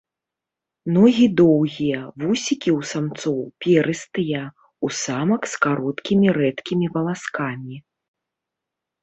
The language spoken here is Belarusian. Ногі доўгія, вусікі ў самцоў перыстыя, у самак э кароткімі рэдкімі валаскамі.